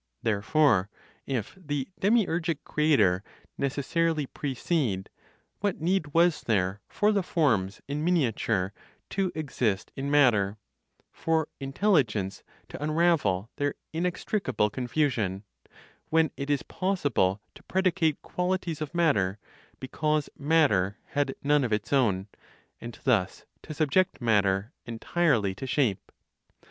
Therefore if the demiurgic creator necessarily precede, what need was there for the forms in miniature to exist in matter, for intelligence to unravel their inextricable confusion, when it is possible to predicate qualities of matter, because matter had none of its own, and thus to subject matter entirely to shape?